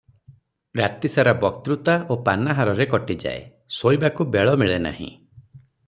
ରାତି ସାରା ବକ୍ତୃତା ଓ ପାନାହାରରେ କଟିଯାଏ, ଶୋଇବାକୁ ବେଳ ମିଳେ ନାହିଁ ।